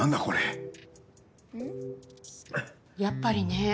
やっぱりね。